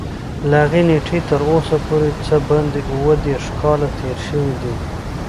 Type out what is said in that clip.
له هغې نېټې تر اوسه پورې څه باندې اووه دېرش کاله تېر شوي دي.